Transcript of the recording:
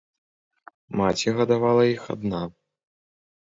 Маці гадавала іх адна.